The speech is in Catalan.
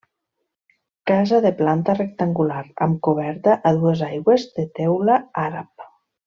Casa de planta rectangular amb coberta a dues aigües de teula àrab.